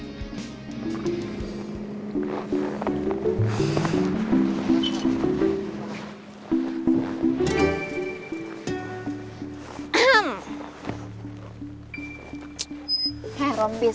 gua mau bangun